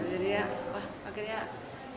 jadi ya wah akhirnya